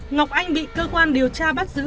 ngọc anh bị cơ quan điều tra bắt giữ